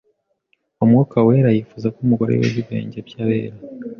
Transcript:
Umwuka wera yifuza ko umugore « Yoza ibirenge by'abera,